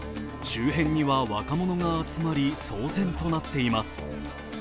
周辺には若者が集まり、騒然となっています。